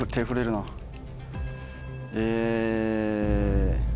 え。